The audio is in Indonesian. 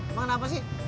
emang kenapa sih